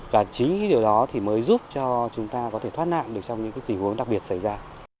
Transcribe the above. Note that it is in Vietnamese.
và chính điều đó thì mới giúp cho chúng ta có thể thoát nạn được trong những tình huống đặc biệt xảy ra